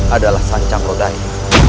adalah sancako dain